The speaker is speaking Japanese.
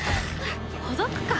ほどくか。